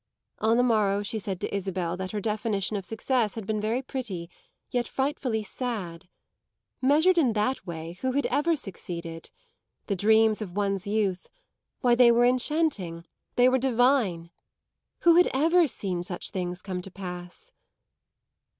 On the morrow she said to Isabel that her definition of success had been very pretty, yet frightfully sad. Measured in that way, who had ever succeeded? The dreams of one's youth, why they were enchanting, they were divine! Who had ever seen such things come to pass?